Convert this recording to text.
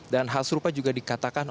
dan hal serupa juga dikatakan